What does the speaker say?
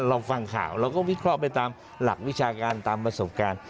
เราฟังข่าวเราก็วิเคราะห์ไปตามหลักวิชาการตามประสบการณ์